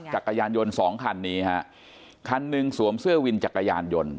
จักรยานยนต์สองคันนี้ฮะคันหนึ่งสวมเสื้อวินจักรยานยนต์